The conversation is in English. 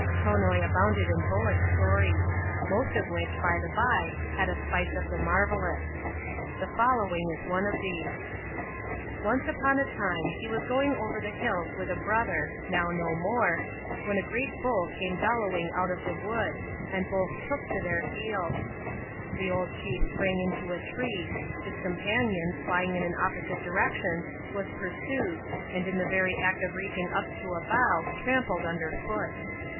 Tonoi abounded in bullock stories ; most of which, by the by, had a spice of the marvellous. The following is one of these. Qace upoa a time, Ae jff»g gging Qy^j ftft\MlSl\a^\^^\i^^'Qs^^^ 210 ADVENTURES IN THE SOUTH SEAS, [ckap.ut. — now no more — when a great bull came bellowing out of a wood, and both took to their heels. The old chief sprang into a tree ; his companion, fljing in an opposite direction^ was par sued, and in the very act of reaching up to a bough, trampled under foot.